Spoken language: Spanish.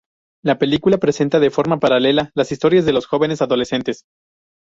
La película presenta de forma paralela las historias de dos jóvenes adolescentes.